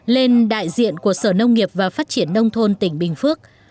lên đại diện của sở nông nghiệp và phát triển nông thôn tỉnh bình phước